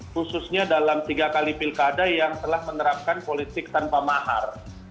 khususnya dalam tiga kali pilkada yang telah menerapkan politik tanpa mahar